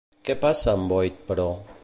Què passa amb Boyd, però?